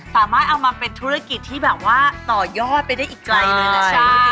สามารถเอามาเป็นธุระกิจที่ต่อยอดไปได้อีกไกลเลยนะ